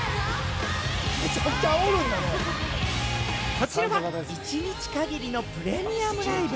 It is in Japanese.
こちらは一日限りのプレミアムライブ。